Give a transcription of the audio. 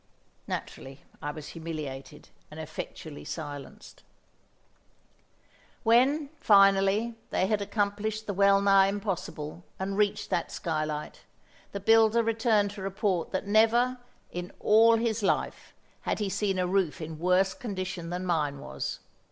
Naturally, I was humiliated and effectually silenced. When, finally, they had accomplished the well nigh impossible, and reached that skylight, the builder returned to report that never, in all his life, had he seen a roof in worse condition than mine was.